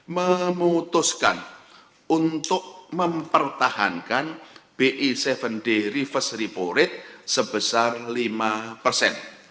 memutuskan untuk mempertahankan bi tujuh day reverse repo rate sebesar lima persen